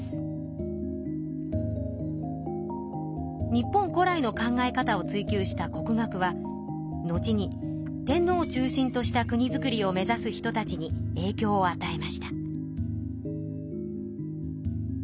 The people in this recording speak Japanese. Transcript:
日本古来の考え方を追究した国学は後に天皇を中心とした国造りを目ざす人たちにえいきょうをあたえました。